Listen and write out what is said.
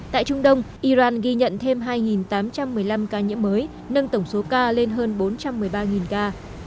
tại trung đông iran ghi nhận thêm hai tám trăm một mươi năm ca nhiễm mới nâng tổng số ca lên hơn bốn trăm một mươi ba ca